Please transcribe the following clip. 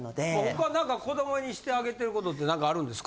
他何か子供にしてあげてる事って何かあるんですか？